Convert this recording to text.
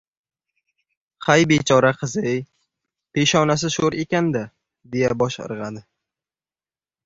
— Hay bechora qiz-ye, peshonasi sho‘r ekan-da, — deya bosh irg‘adi.